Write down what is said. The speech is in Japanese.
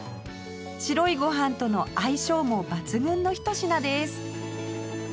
白いご飯との相性も抜群のひと品です